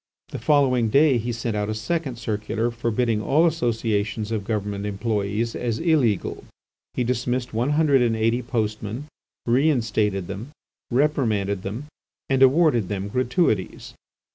The following day he sent out a second circular forbidding all associations of government employees as illegal. He dismissed one hundred and eighty postmen, reinstated them, reprimanded them—and awarded them gratuities.